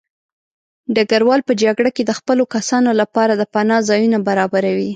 ډګروال په جګړه کې د خپلو کسانو لپاره د پناه ځایونه برابروي.